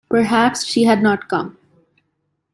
Perhaps she had not come.